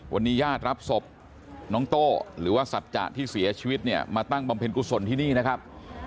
วันนี้ญาติรับศพน้องโต้หรือว่าสัจจะที่เสียชีวิตเนี่ยมาตั้งบำเพ็ญกุศลที่นี่นะครับ